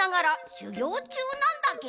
しゅぎょうちゅうなんだケロ。